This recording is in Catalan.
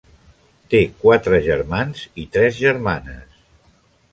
Té quatre germans i tres germanes.